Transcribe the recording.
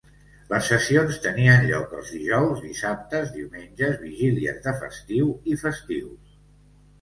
Les sessions tenien lloc els dijous, dissabtes, diumenges, vigílies de festiu i festius.